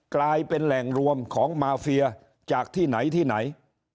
กลายเป็นแหล่งรวมของมาเฟียจากที่ไหนที่ไหน